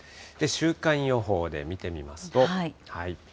週間予報で見てみますと。